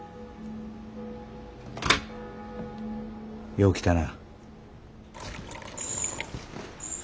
よう来たな。